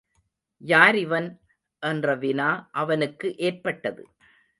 யார் இவன்? என்ற வினா அவனுக்கு ஏற்பட்டது.